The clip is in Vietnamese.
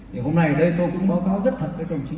thì hôm nay ở đây tôi cũng báo cáo rất thật với đồng chí